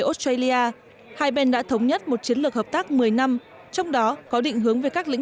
australia hai bên đã thống nhất một chiến lược hợp tác một mươi năm trong đó có định hướng về các lĩnh